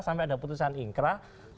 sampai ada putusan ingkran